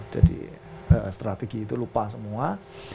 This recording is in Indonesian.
jadi strategi itu lupa semua